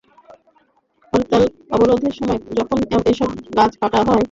হরতাল-অবরোধের সময় যখন এসব গাছ কাটা হয়, তখন আমরা বিদ্যালয়ে যেতে পারিনি।